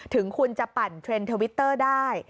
ถึงคุณจะปั่นเทรนด์ทวิตเตอร์ได้